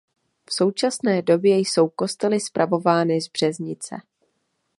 V současné době jsou kostely spravovány z Březnice.